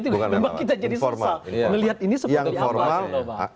jadi kita jadi susah